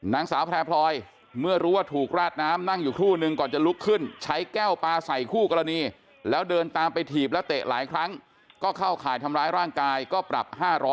นางสาวแพร่พลอยเมื่อรู้ว่าถูกราดน้ำนั่งอยู่ครู่นึงก่อนจะลุกขึ้นใช้แก้วปลาใส่คู่กรณีแล้วเดินตามไปถีบแล้วเตะหลายครั้งก็เข้าข่ายทำร้ายร่างกายก็ปรับ๕๐๐